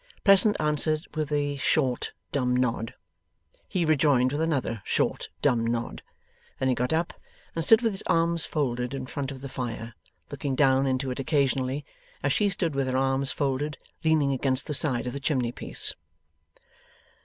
Pleasant answered with a short dumb nod. He rejoined with another short dumb nod. Then he got up and stood with his arms folded, in front of the fire, looking down into it occasionally, as she stood with her arms folded, leaning against the side of the chimney piece.